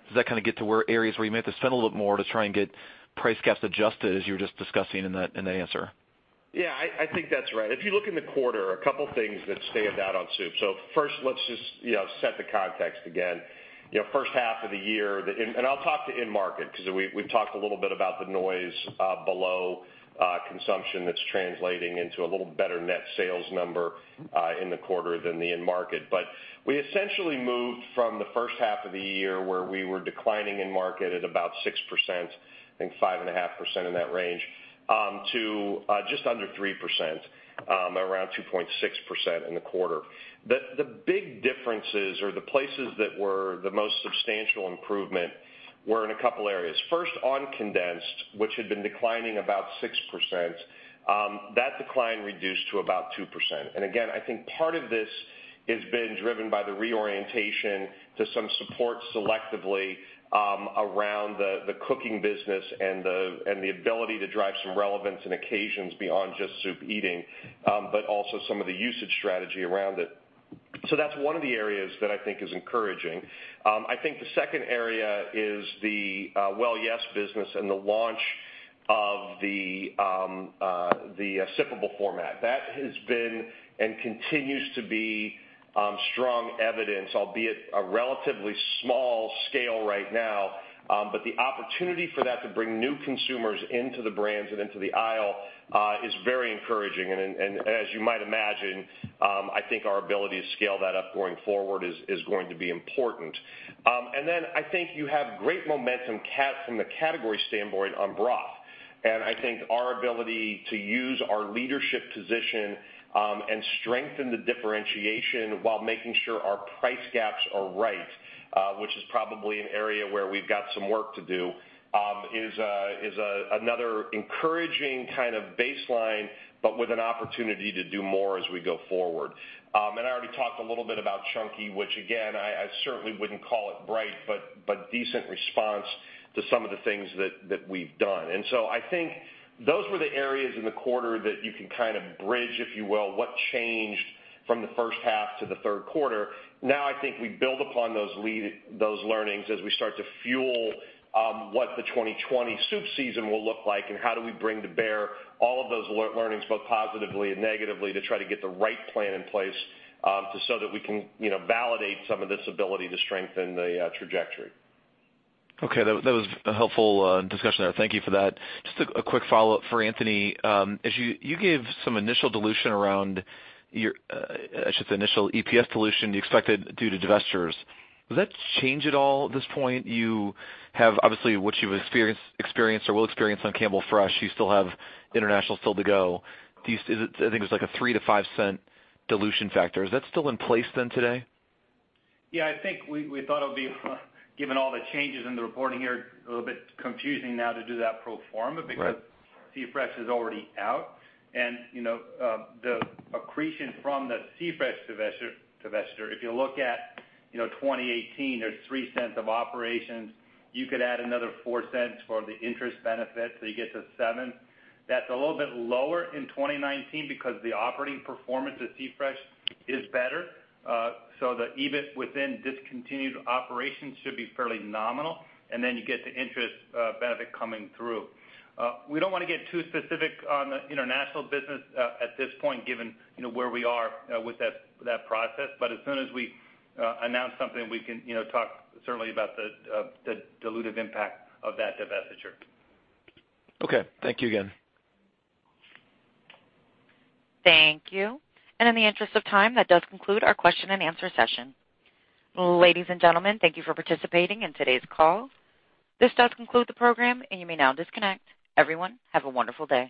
Speaker 10: Does that kind of get to where areas where you may have to spend a little more to try and get price gaps adjusted as you were just discussing in that answer?
Speaker 3: Yeah, I think that's right. If you look in the quarter, a couple things that stand out on soup. First, let's just set the context again. First half of the year, I'll talk to in-market, because we've talked a little bit about the noise below consumption that's translating into a little better net sales number in the quarter than the in-market. We essentially moved from the first half of the year, where we were declining in market at about 6%, I think 5.5% in that range, to just under 3%, around 2.6% in the quarter. The big differences or the places that were the most substantial improvement were in a couple areas. First, on condensed, which had been declining about 6%, that decline reduced to about 2%. Again, I think part of this has been driven by the reorientation to some support selectively around the cooking business and the ability to drive some relevance and occasions beyond just soup eating, but also some of the usage strategy around it. That's one of the areas that I think is encouraging. I think the second area is the Well Yes! business and the launch of the sippable format. That has been, and continues to be, strong evidence, albeit a relatively small scale right now, but the opportunity for that to bring new consumers into the brands and into the aisle is very encouraging. As you might imagine, I think our ability to scale that up going forward is going to be important. Then I think you have great momentum from the category standpoint on broth. I think our ability to use our leadership position and strengthen the differentiation while making sure our price gaps are right, which is probably an area where we've got some work to do, is another encouraging kind of baseline, but with an opportunity to do more as we go forward. I already talked a little bit about Chunky, which again, I certainly wouldn't call it bright, but decent response to some of the things that we've done. I think those were the areas in the quarter that you can kind of bridge, if you will, what changed from the first half to the third quarter. I think we build upon those learnings as we start to fuel what the 2020 soup season will look like and how do we bring to bear all of those learnings, both positively and negatively, to try to get the right plan in place, so that we can validate some of this ability to strengthen the trajectory.
Speaker 10: Okay. That was a helpful discussion there. Thank you for that. Just a quick follow-up for Anthony. You gave some initial dilution around your, I should say initial EPS dilution you expected due to divestitures. Does that change at all at this point? You have obviously what you've experienced or will experience on Campbell Fresh. You still have international still to go. I think it was like a $0.03-$0.05 dilution factor. Is that still in place today?
Speaker 4: I think we thought it would be, given all the changes in the reporting here, a little bit confusing now to do that pro forma because C-Fresh is already out. The accretion from the C-Fresh divestiture, if you look at 2018, there's $0.03 of operations. You could add another $0.04 for the interest benefit, so you get to seven. That's a little bit lower in 2019 because the operating performance of C-Fresh is better. The EBIT within discontinued operations should be fairly nominal, then you get the interest benefit coming through. We don't want to get too specific on the international business at this point given where we are with that process. As soon as we announce something, we can talk certainly about the dilutive impact of that divestiture.
Speaker 10: Okay. Thank you again.
Speaker 1: Thank you. In the interest of time, that does conclude our question and answer session. Ladies and gentlemen, thank you for participating in today's call. This does conclude the program, and you may now disconnect. Everyone, have a wonderful day.